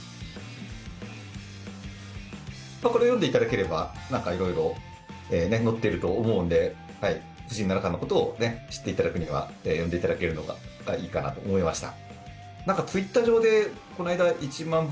これを読んでいただければ、なんかいろいろ載ってると思うんで、藤井七冠のことを知っていただくには、読んでいただけるのがいいかなと思いました。